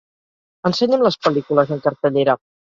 Ensenya'm les pel·lícules en cartellera